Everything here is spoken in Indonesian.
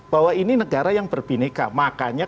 bahwa ini negara yang berbineka makanya